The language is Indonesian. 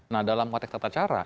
nah dalam konteks tata cara